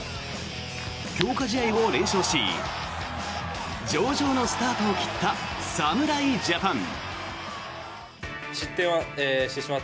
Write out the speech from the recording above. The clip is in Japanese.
強化試合を連勝し上々のスタートを切った侍ジャパン。